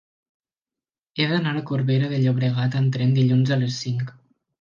He d'anar a Corbera de Llobregat amb tren dilluns a les cinc.